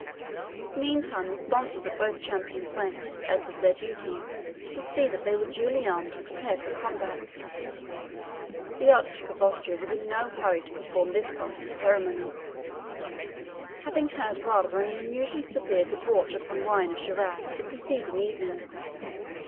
Meantime the sponsors of both champions went, as was their duty, to see that they were duly armed and prepared for combat. The Archduke of Austria was in no hurry to perform this part of the ceremony, having had rather an unusually severe debauch upon wine of Shiraz the preceding evening.